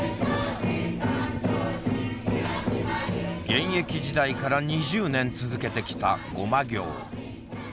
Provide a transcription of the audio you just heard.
現役時代から２０年続けてきた護摩行。